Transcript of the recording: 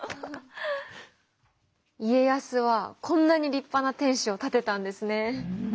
家康はこんなに立派な天守を建てたんですね。